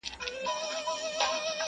• په عین و شین و قاف کي هغه ټوله جنتونه,